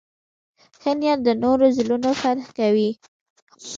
ښه نیت د نورو زړونه فتح کوي.